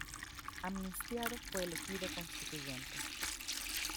Amnistiado, fue elegido constituyente.